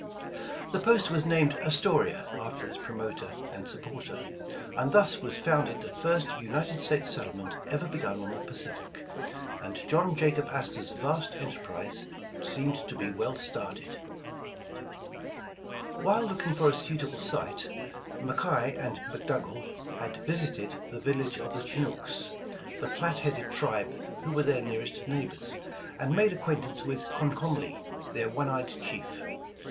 The post was named "Astoria" after its promoter and supporter, and thus was founded the first United States settlement ever begun on the Pacific, and John Jaxiob Astor^s vast enterprise seemed to be well started. While looking for a suitable site, McKay and Mc Dougal had visited the village of the Chinooks, the flat headed tribe who were their nearest neighbors, and made acquaintance with Comcomly, their one eyed chief.